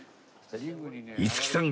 五木さん